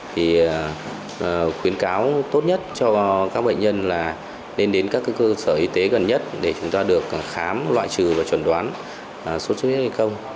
thì khuyến cáo tốt nhất cho các bệnh nhân là nên đến các cơ sở y tế gần nhất để chúng ta được khám loại trừ và chuẩn đoán sốt xuất huyết hay không